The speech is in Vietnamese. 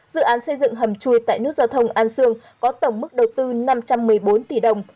dự án xây dựng hầm chui tại nút giao thông an sương có tổng mức đầu tư năm trăm một mươi bốn tỷ đồng